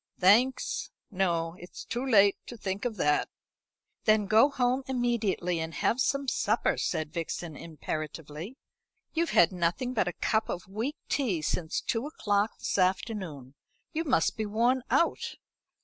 "Thanks, no; it's too late to think of that." "Then go home immediately, and have some supper," said Vixen imperatively. "You've had nothing but a cup of weak tea since two o'clock this afternoon. You must be worn out."